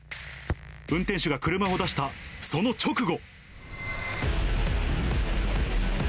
運転手が車を出したその直後。